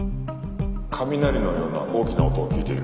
雷のような大きな音を聞いている。